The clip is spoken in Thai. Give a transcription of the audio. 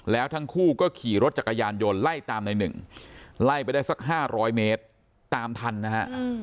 แล้วทั้งคู่ก็ขี่รถจักรยานยนต์ไล่ตามในหนึ่งไล่ไปได้สัก๕๐๐เมตรตามทันนะฮะ